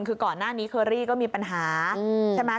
คือก่อนหน้านี้เคอรี่ก็มีปัญหาใช่ไหม